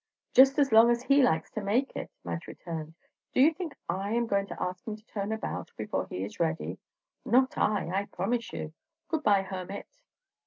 "Just as long as he likes to make it!" Madge returned. "Do you think I am going to ask him to turn about, before he is ready? Not I, I promise you. Good bye, hermit!"